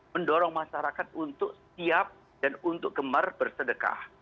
mendorong masyarakat untuk siap dan untuk gemar bersedekah